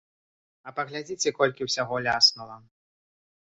А паглядзіце, колькі ўсяго ляснула.